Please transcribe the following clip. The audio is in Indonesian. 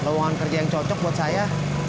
ruangan kerja yang cocok buat saya